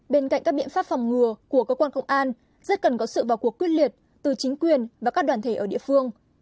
bên cạnh các biện pháp phòng ngừa của cơ quan công an rất cần có sự vào cuộc quyết liệt từ chính quyền và các đoàn thể ở địa phương